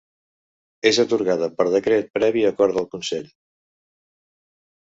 És atorgada per decret previ acord del Consell.